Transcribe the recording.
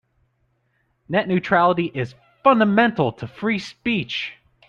Net neutrality is fundamental to free speech.